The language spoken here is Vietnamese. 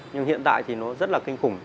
nhưng hiện tại thì nó rất là kinh khủng